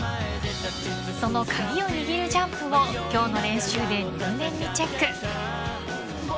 その鍵を握るジャンプを今日の練習で入念にチェック。